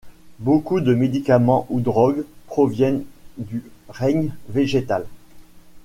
Beaucoup de médicaments ou drogues proviennent du règne végétal.